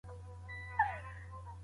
املا د تورو د استعمال لاره ده.